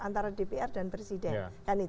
antara dpr dan presiden